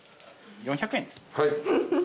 ４００円ですね。